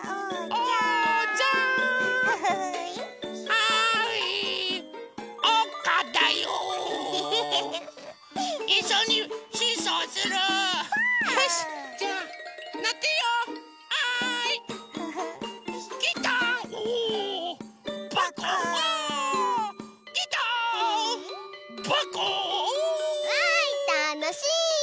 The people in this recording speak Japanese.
おお！わいたのしい！